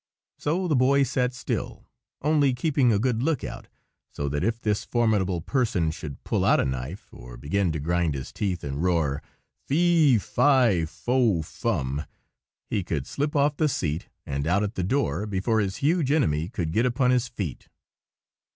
So the Boy sat still, only keeping a good lookout, so that if this formidable person should pull out a knife, or begin to grind his teeth and roar, "Fee! fi! fo! fum!" he could slip off the seat and out at the door before his huge enemy could get upon his feet.